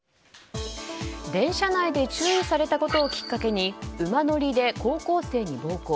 電車内で注意されたことをきっかけに馬乗りで高校生に暴行。